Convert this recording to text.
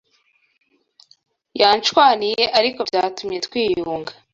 yanshwaniye arko byatumye twiyunga